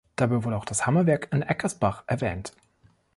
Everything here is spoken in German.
Dabei wurde auch das Hammerwerk in Eckersbach erwähnt.